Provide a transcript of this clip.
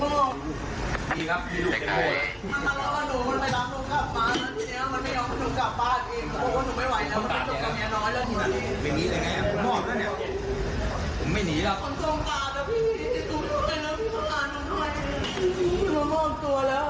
มีครับมีลูกโกรธ